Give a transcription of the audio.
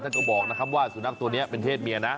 เขาบอกนะครับว่าสุนัขตัวนี้เป็นเพศเมียนะ